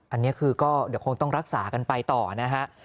อันนี้คือก็เดี๋ยวคงต้องรักษากันไปต่อนะฮะ